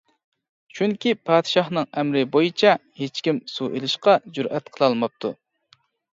چۈنكى پادىشاھنىڭ ئەمرى بويىچە ھېچكىم سۇ ئېلىشقا جۈرئەت قىلالماپتۇ.